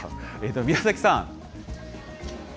宮崎さん。